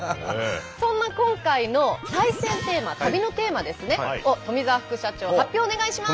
そんな今回の対戦テーマ旅のテーマを富澤副社長発表をお願いします。